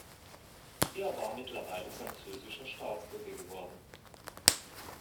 Er war mittlerweile französischer Staatsbürger geworden.